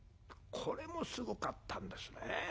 これもすごかったんですね。